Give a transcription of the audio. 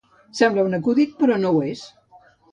Sembla un acudit, però no ho és.